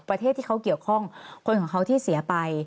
ประเทศที่เขาเกี่ยวข้องคนของเขาที่เสียไป